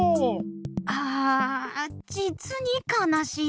ああじつにかなしい。